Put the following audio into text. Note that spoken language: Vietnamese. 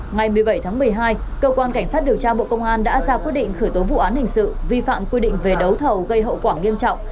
ngày một mươi bảy tháng một mươi hai cơ quan cảnh sát điều tra bộ công an đã ra quyết định khởi tố vụ án hình sự vi phạm quy định về đấu thầu gây hậu quả nghiêm trọng